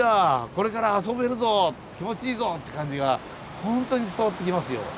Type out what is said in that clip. これから遊べるぞ気持ちいいぞって感じがホントに伝わってきますよ。